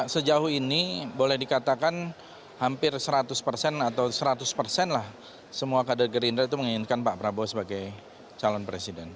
sejauh ini boleh dikatakan hampir seratus persen atau seratus persen lah semua kader gerindra itu menginginkan pak prabowo sebagai calon presiden